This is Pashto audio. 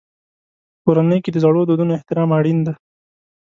په کورنۍ کې د زړو دودونو احترام اړین دی.